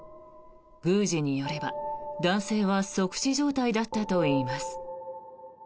宮司によれば、男性は即死状態だったといいます。